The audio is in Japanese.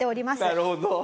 なるほど。